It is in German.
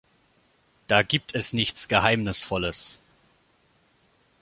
Da gibt es nichts Geheimnisvolles.